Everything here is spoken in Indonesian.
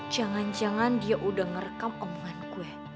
jangan jangan dia udah ngerekam online gue